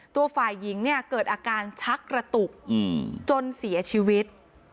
ตัวฝ่ายหญิงเนี่ยเกิดอาการชักกระตุกจนเสียชีวิต